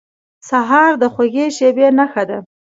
سهار د خوږې شېبې نښه ده.